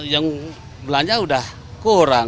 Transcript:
yang belanja sudah kurang